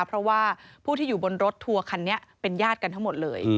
เพราะว่าผู้ที่อยู่บนรถทัวร์คันนี้เป็นญาติกันทั้งหมดเลย